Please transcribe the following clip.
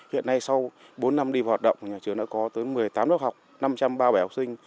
hiện nay sau bốn năm đi vào hoạt động nhà trường đã có tới một mươi tám lớp học năm trăm ba mươi bảy học sinh